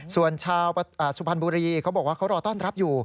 ส่วนชาวสุพรรณบุรีเขาบอกว่าเขารอต้อนรับอยู่